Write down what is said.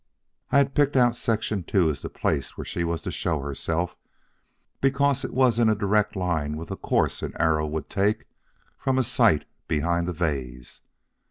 "I had picked out Section II as the place where she was to show herself, because it was in a direct line with the course an arrow would take from a sight behind the vase.